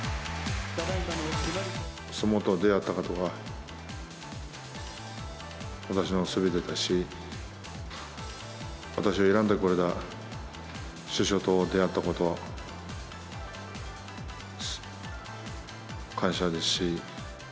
相撲と出会ったことが私のすべてだし、私を選んでくれた師匠と出会ったことは、感謝ですし。